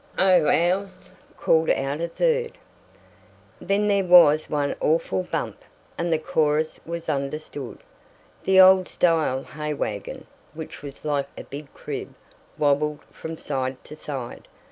"Oh, ours!" called out a third. Then there was one awful bump, and the chorus was understood. The old style hay wagon, which was like a big crib, wobbled from side to side.